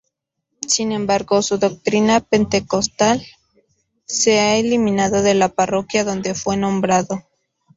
Sin embargo, su doctrina pentecostal se ha eliminado de la parroquia donde fue nombrado.